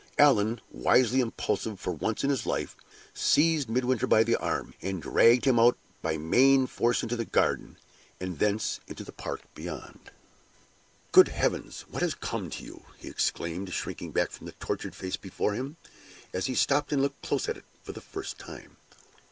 Allan, wisely impulsive for once in his life, seized Midwinter by the arm, and dragged him out by main force into the garden, and thence into the park beyond. "Good heavens! what has come to you!" he exclaimed, shrinking back from the tortured face before him, as he stopped and looked close at it for the first time.